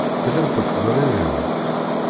Tellam tettezririm.